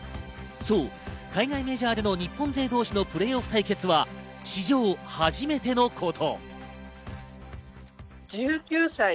海外メジャーでの日本勢同士のプレーオフ対決は史上初めてのこと。